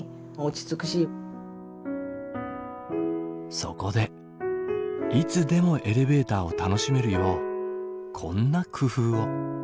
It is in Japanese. そこでいつでもエレベーターを楽しめるようこんな工夫を。